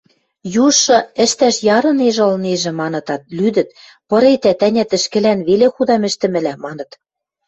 Южшы: «Ӹштӓш ярынежӹ ылнежӹ, – манытат, лӱдӹт, – пыретӓт, ӓнят, ӹшкӹлӓн веле худам ӹштӹмӹлӓ», – маныт.